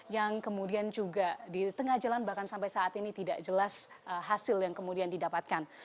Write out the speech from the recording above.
yang kemudian juga di tengah jalan bahkan sampai saat ini tidak jelas hasil yang kemudian didapatkan